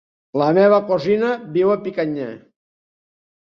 La meva cosina viu a Picanya.